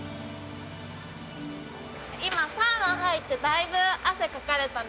今サウナ入ってだいぶ汗かかれたので。